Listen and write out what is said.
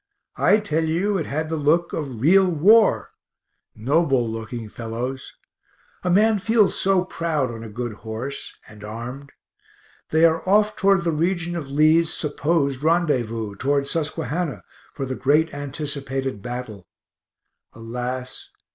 I tell you it had the look of real war noble looking fellows; a man feels so proud on a good horse, and armed. They are off toward the region of Lee's (supposed) rendezvous, toward Susquehannah, for the great anticipated battle. Alas!